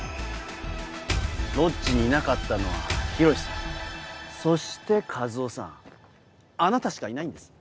ロッジにいなかったのは洋さんそして一魚さんあなたしかいないんです。